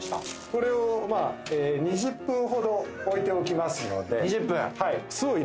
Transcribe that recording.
これをまあ２０分ほど置いておきますので２０分はい